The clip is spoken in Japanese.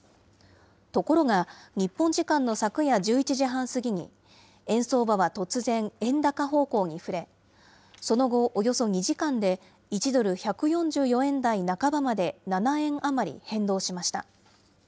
ところが、日本時間の昨夜１１時半過ぎに、円相場は突然、円高方向に振れ、その後、およそ２時間で１ドル１４４円台半ばまで７円余り変動しました。